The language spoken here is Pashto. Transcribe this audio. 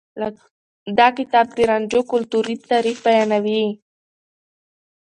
دا کتاب د رانجو کلتوري تاريخ بيانوي.